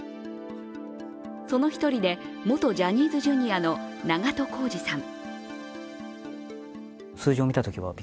その１人で、元ジャニーズＪｒ．の長渡康二さん。